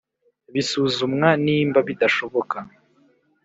bisuzumwa nimba bidashoboka